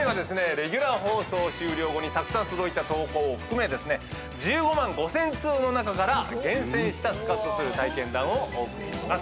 レギュラー放送終了後にたくさん届いた投稿を含めですね１５万５，０００通の中から厳選したスカッとする体験談をお送りします。